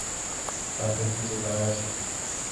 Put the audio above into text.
তাতে কিছু যায় আসে?